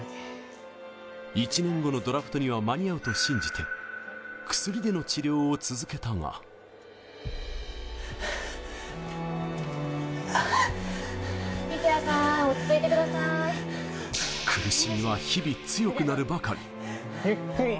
１年後のドラフトには間に合うと信じて、薬での治療を続けたが苦しみは日々、強くなるばかり。